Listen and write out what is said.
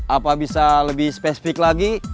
apa bisa lebih spesifik lagi